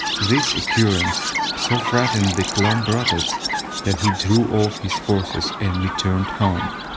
This occurrence so frightened Cleombrotus that he drew off his forces and returned home.